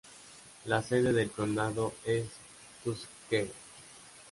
La sede del condado es Tuskegee.